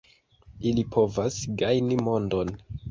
Ili povas gajni mondon.